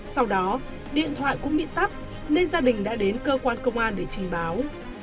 sau đó điện thoại cũng bị tắt nên gia đình đã đến cơ quan công an để trình báo